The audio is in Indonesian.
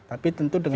tapi tentu dengan